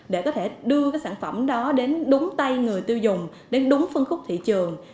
để có thể đưa cái sản phẩm đó đến đúng tay người tiêu dùng đến đúng phân khúc thị trường